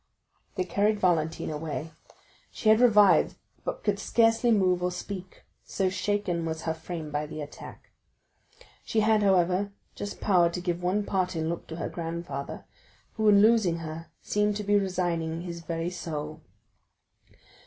They carried Valentine away; she had revived, but could scarcely move or speak, so shaken was her frame by the attack. She had, however, just power to give one parting look to her grandfather, who in losing her seemed to be resigning his very soul.